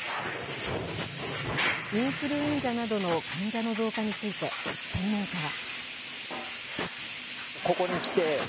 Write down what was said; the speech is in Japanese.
インフルエンザなどの患者の増加について専門家は。